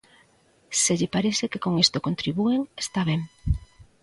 Se lle parece que con isto contribúen, está ben.